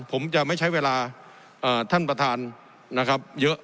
ผมจะไม่ใช้เวลาท่านประธานนะครับเยอะ